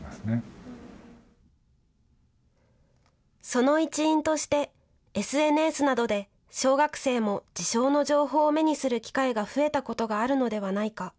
その一因として、ＳＮＳなどで小学生も自傷の情報を目にする機会が増えたことがあるのではないか。